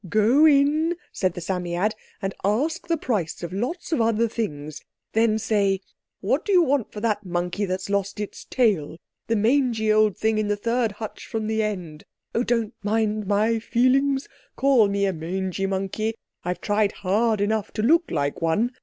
"Go in," said the Psammead, "and ask the price of lots of other things. Then say, 'What do you want for that monkey that's lost its tail—the mangy old thing in the third hutch from the end.' Oh—don't mind my feelings—call me a mangy monkey—I've tried hard enough to look like one!